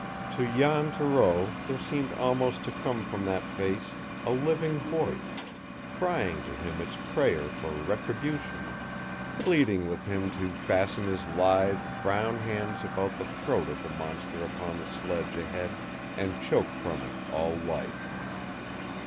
To Jan Thoreau there seemed almost to come from that face a living voice, crying to him its prayer for retribution, pleading with him to fasten his lithe, brown hands about the throat of the monster upon the sledge ahead, and choke from it all life.